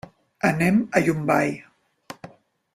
Anem a Llombai.